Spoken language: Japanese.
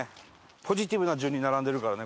ポジティブな順に並んでるからね